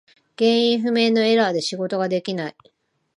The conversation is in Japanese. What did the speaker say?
原因不明のエラーで仕事ができない。